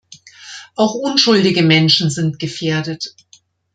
Auch unschuldige Menschen sind gefährdet.